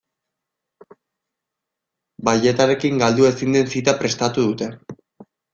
Balletarekin galdu ezin den zita prestatu dute.